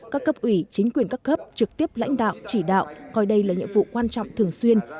các cấp ủy chính quyền các cấp trực tiếp lãnh đạo chỉ đạo coi đây là nhiệm vụ quan trọng thường xuyên